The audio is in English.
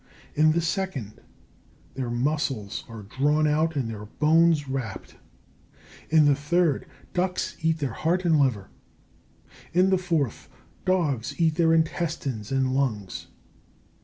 In the second, their muscles are drawn out and their bones rapped. In the third, ducks eat their heart and liver. In the fourth, dogs eat their intestines and lungs.